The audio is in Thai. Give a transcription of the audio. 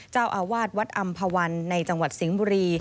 เจ้าอาวาสวัดอำภาวันในจังหวัดสิงห์บุรี